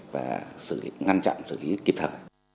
và ngăn chặn sự kịp thở